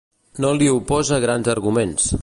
No li oposa grans arguments.